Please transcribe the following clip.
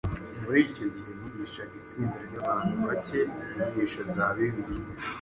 Muri icyo gihe, nigishaga itsinda ry’abantu bake inyigisho za Bibiliya